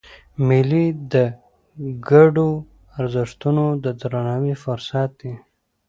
مېلې د ګډو ارزښتونو د درناوي یو فرصت يي.